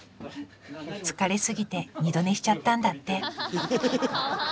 疲れすぎて二度寝しちゃったんだって。